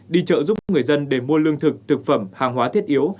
đi chợ giúp người dân để mua lương thực thực phẩm hàng hóa thiết yếu